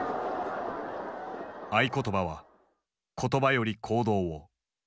合言葉は「言葉より行動を」。